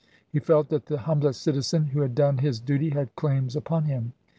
He felt that the humblest citizen who had done his duty had claims upon him.